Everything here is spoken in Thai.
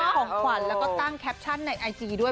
ของขวัญแล้วก็ตั้งแคปชั่นในไอจีด้วย